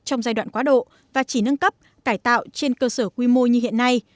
trong giai đoạn quá độ và chỉ nâng cấp cải tạo trên cơ sở quy mô như hiện nay